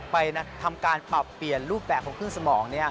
ไปทำการปรับเปลี่ยนรูปแบบของขึ้นสมอง